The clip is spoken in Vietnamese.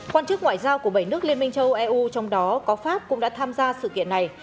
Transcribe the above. quan chức ngoại giao của bảy nước liên minh châu âu eu trong đó có pháp cũng đã tham gia sự kiện này